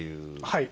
はい。